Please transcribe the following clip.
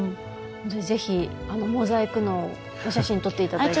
是非モザイク脳お写真撮っていただいて。